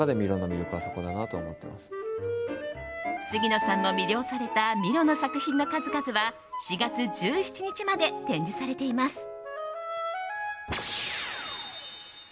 杉野さんも魅了されたミロの作品の数々は４月１７日まで展示されています。